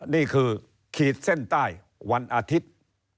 นี่คือขีดเส้นใต้วันอาทิตย์